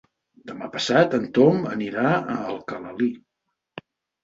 Demà passat en Tom anirà a Alcalalí.